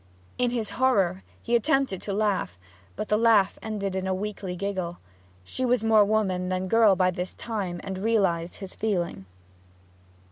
In his horror he attempted to laugh, but the laugh ended in a weakly giggle. She was more woman than girl by this time, and realized his feeling.